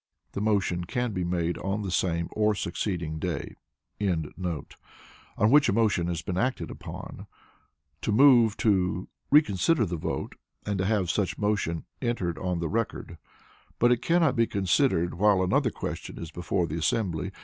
The motion can be made on the same or succeeding day.] on which a motion has been acted upon, to move to "Reconsider the vote" and have such motion "entered on the record," but it cannot be considered while another question is before the assembly.